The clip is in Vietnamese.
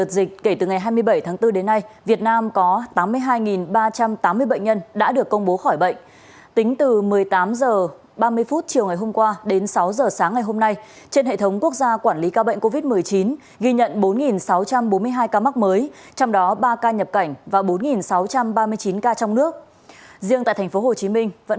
xin chào các bạn